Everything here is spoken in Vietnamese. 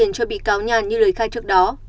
ông văn cho bị cáo nhàn như lời khai trước đó